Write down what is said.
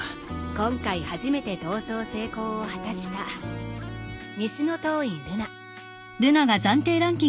今回初めて逃走成功を果たした西洞院ルナ。